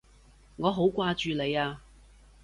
我好掛住你啊！